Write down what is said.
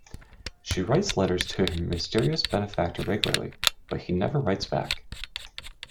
She writes letters to her mysterious benefactor regularly, but he never writes back.